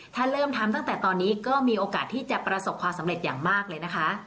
ถ้าเริ่มทำตั้งแต่ตอนนี้ก็มีโอกาสที่จะประสบความสำเร็จอย่างมากเลยนะคะ